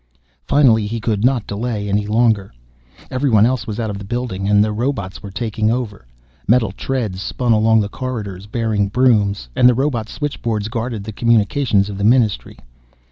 Finally, he could not delay any longer. Everyone else was out of the building, and the robots were taking over. Metal treads spun along the corridors, bearing brooms, and the robot switchboards guarded the communications of the Ministry.